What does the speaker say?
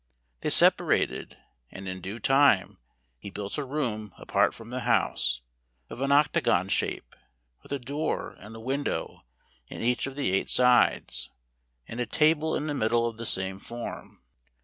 They separated, and in due time he built a room apart from the house, of an octagon shape, with a door and window in each of the eight sides, and a table in the middle of the same form.